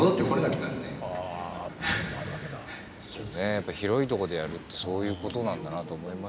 やっぱり広いとこでやるってそういうことなんだなと思いましたね。